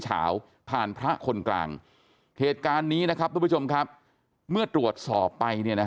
ผ่านพระคนกลางเหตุการณ์นี้นะครับทุกผู้ชมครับเมื่อตรวจสอบไป